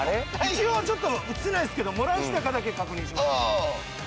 一応ちょっと映せないですけど漏らしたかだけ確認しますね。